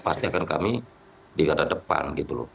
pasti akan kami dikatakan di depan